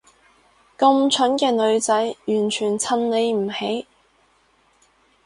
咁蠢嘅女仔完全襯你唔起